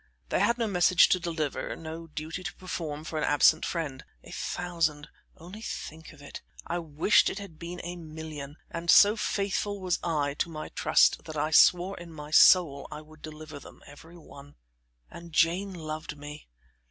They had no message to deliver; no duty to perform for an absent friend. A thousand! Only think of it! I wished it had been a million, and so faithful was I to my trust that I swore in my soul I would deliver them, every one. And Jane loved me!